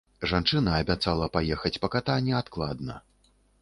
Жанчына абяцала паехаць па ката неадкладна.